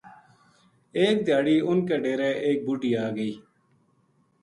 ایک دھیاڑی اُن کے ڈیرے ایک بُڈھی آ گئی